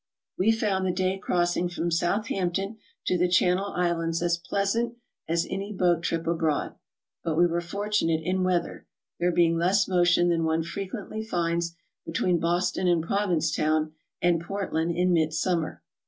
We found the day crossing from Southampton to the Channel Islands as pleasant as any boat trip abroad, but we were fortunate in weather, there being less motion than one frequently finds between Boston and Provincetown and Portland in mid summer.